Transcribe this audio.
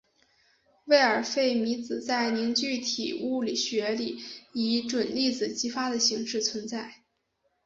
魏尔费米子在凝聚体物理学里以准粒子激发的形式存在。